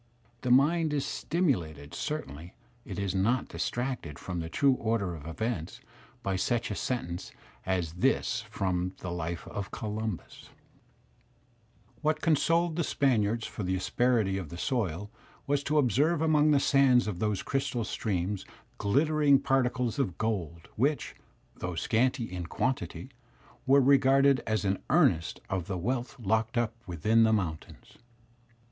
The mind is stimulated, certainly it is not distracted from the true order of events, by such a sentence as this from the "life of Columbus'*: "What consoled the Spaniards for the asperity of the soil was to observe among the sands of those crystal streams glittering particles of gold, which, though scanty in quantity, were regarded as an earnest of the wealth locked up within the mountains."